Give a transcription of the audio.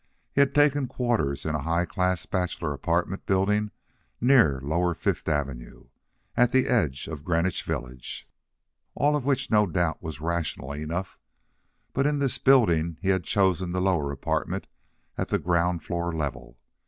He had taken quarters in a high class bachelor apartment building near lower Fifth Avenue, at the edge of Greenwich Village. All of which no doubt was rational enough, but in this building he had chosen the lower apartment at the ground floor level.